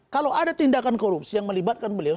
kalau ada tindakan korupsi yang melibatkan beliau